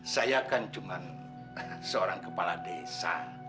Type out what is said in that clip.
saya kan cuma seorang kepala desa